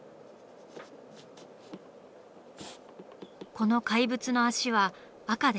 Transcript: この怪物の足は赤で。